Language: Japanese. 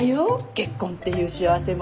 結婚っていう幸せも。